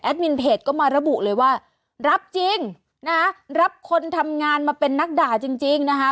มินเพจก็มาระบุเลยว่ารับจริงนะฮะรับคนทำงานมาเป็นนักด่าจริงจริงนะคะ